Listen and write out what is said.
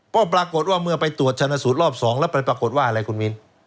ก็ปรากฏว่าเมื่อไปตรวจชนะสูตรรอบ๒แล้วไปปรากฏว่าอะไรคุณมิ้น